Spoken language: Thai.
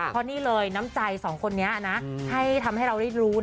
เรื่องน้ำใจ๒คนนี้นะให้ทำให้เราได้รู้